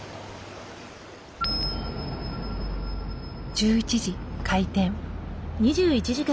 １１時開店。